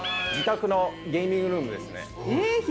自宅のゲーミングルームですね。